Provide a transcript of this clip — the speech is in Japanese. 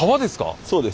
そうです。